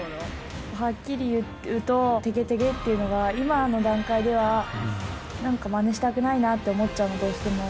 はっきり言うとテゲテゲっていうのが今の段階では何かまねしたくないなって思っちゃうのどうしても。